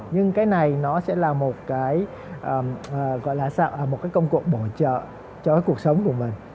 nhưng cái này nó sẽ là một cái gọi là sợ một cái công cuộc bổ trợ cho cuộc sống của mình